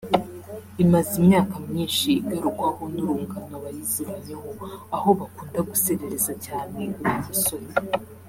imaze imyaka myinshi igarukwaho n’urungano bayiziranyeho aho bakunda guserereza cyane uwo musore